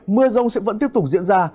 mưa rông sẽ vẫn tiếp tục diễn ra